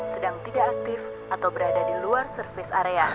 sedang tidak aktif atau berada di luar service area